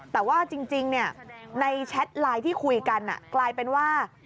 แต่ว่าจริงในแชทไลน์ที่คุยกันกลายเป็นว่า